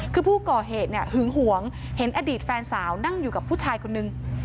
คือผู้ก่อเหตุเนี่ยหึงหวงเห็นอดีตแฟนสาวนั่งอยู่กับผู้ชายคนนึง